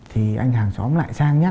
thì anh hàng xóm lại sang nhắc